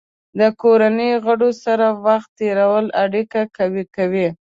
د کورنۍ غړو سره وخت تېرول اړیکې قوي کوي.